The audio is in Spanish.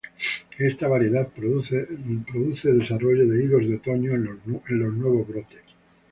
Esta variedad produce desarrollo de higos de otoño en los nuevos brotes.